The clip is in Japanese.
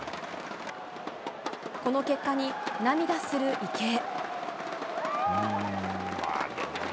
この結果に涙する池江。